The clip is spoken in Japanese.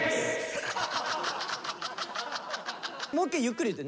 もう一回ゆっくり言って。